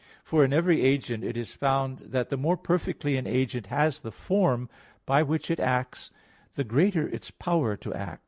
For in every agent is it found that the more perfectly an agent has the form by which it acts the greater its power to act.